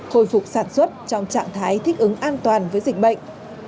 khôi phục sản xuất trong trạng thái thích ứng an toàn với dịch bệnh